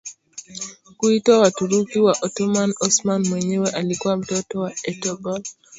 kuitwa Waturuki wa Ottoman Osman mwenyewe alikuwa mtoto wa Ertogul